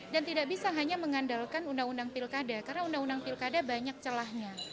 dan tidak bisa hanya mengandalkan undang undang pilkada karena undang undang pilkada banyak celahnya